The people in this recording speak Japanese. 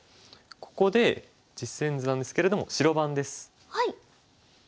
ここで実戦図なんですけれども白番です。